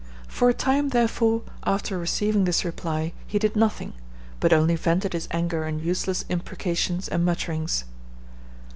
For a time, therefore, after receiving this reply, he did nothing, but only vented his anger in useless imprecations and mutterings.